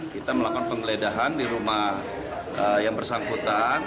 kita melakukan penggeledahan di rumah yang bersangkutan